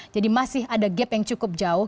jadi masih ada gap yang cukup jauh